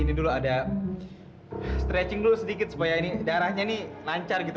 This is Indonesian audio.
lihat dong ada apa lagi